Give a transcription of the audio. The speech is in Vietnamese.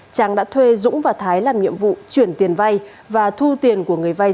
trang đã thuê dũng và thái làm nhiệm vụ chuyển tiền vay và thu tiền của người vay